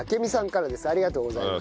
ありがとうございます。